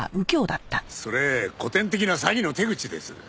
それ古典的な詐欺の手口です。